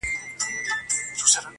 وړي لمبه پر سر چي شپه روښانه کړي -